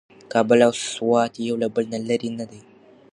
کابل او سوات یو له بل نه لرې نه دي.